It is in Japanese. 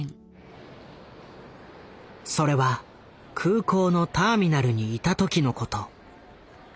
それは空港のターミナルにいた時のこと。